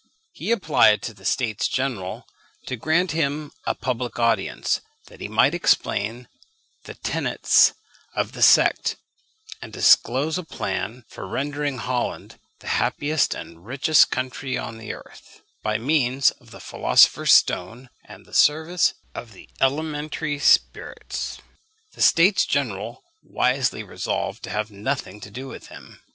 He applied to the States General to grant him a public audience, that he might explain the tenets of the sect, and disclose a plan for rendering Holland the happiest and richest country on the earth, by means of the philosopher's stone and the service of the elementary spirits. The States General wisely resolved to have nothing to do with him.